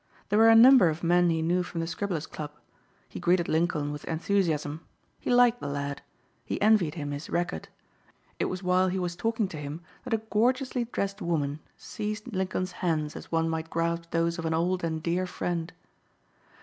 There were a number of men he knew from the Scribblers' Club. He greeted Lincoln with enthusiasm. He liked the lad. He envied him his record. It was while he was talking to him that a gorgeously dressed woman seized Lincoln's hands as one might grasp those of an old and dear friend.